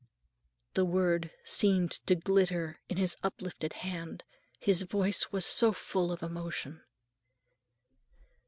_" The word seemed to glitter in his uplifted hand, his voice was so full of emotion.